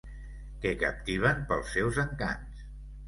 Que captiven pels seus encants.